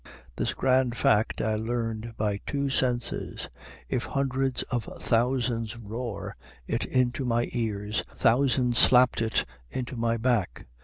This grand fact I learned by two senses. If hundreds of thousands roared it into my ears, thousands slapped it into my back.